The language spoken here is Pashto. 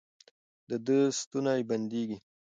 د ده ستونی بندېږي.